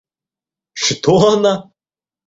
Что она?